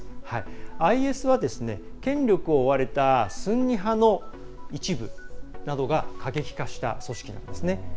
ＩＳは、権力を追われたスンニ派の一部などが過激化した組織なんですね。